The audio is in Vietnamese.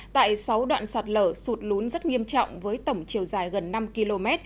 tại sáu đoạn sạt lở sụt lún rất nghiêm trọng với tổng chiều dài gần năm km